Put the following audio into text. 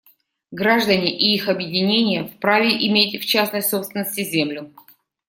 Граждане и их объединения вправе иметь в частной собственности землю.